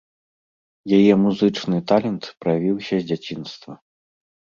Яе музычны талент праявіўся з дзяцінства.